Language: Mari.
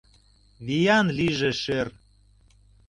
— Виян лийже шӧр!